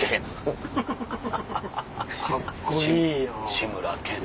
志村けん。